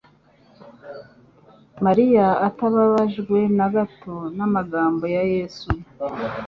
Mariya atababajwe na gato n'amagambo ya Yesu,